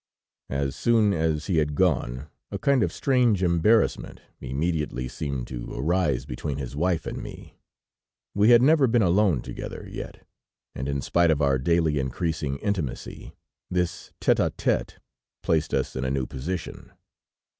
"As soon as he had gone, a kind of strange embarrassment immediately seemed to arise between his wife and me. We had never been alone together yet, and in spite of our daily increasing intimacy, this tête à tête placed us in a new position.